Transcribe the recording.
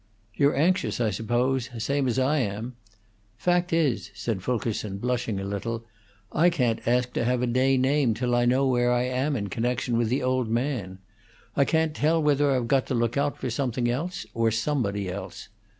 "You're anxious, I suppose, same as I am. Fact is," said Fulkerson, blushing a little, "I can't ask to have a day named till I know where I am in connection with the old man. I can't tell whether I've got to look out for something else or somebody else.